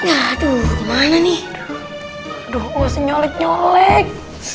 aduh gimana nih aduh gue masih nyelek nyelek